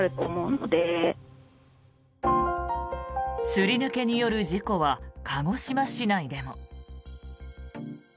すり抜けによる事故は鹿児島市内でも。